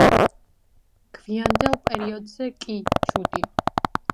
გვიანდელ პერიოდზე კი ჯუდი.